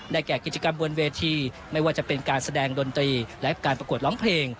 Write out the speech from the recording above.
แก่กิจกรรมบนเวทีไม่ว่าจะเป็นการแสดงดนตรีและการประกวดร้องเพลง